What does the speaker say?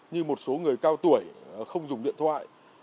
như một số người cao tuổi không dùng điện thoại